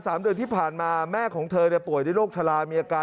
สามเดือนที่ผ่านมาแม่ของเธอเนี่ยป่วยด้วยโรคชะลามีอาการ